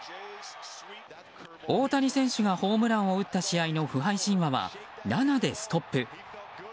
大谷選手がホームランを打った試合の不敗神話は７でストップ。